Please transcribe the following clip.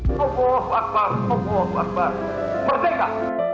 allahu akbar allahu akbar merdeka